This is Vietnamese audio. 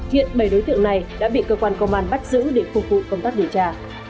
hiện bảy đối tượng này đã bị cơ quan công an bắt giữ để phục vụ công tác điều tra